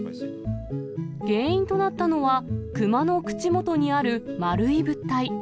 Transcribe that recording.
原因となったのは、クマの口元にある丸い物体。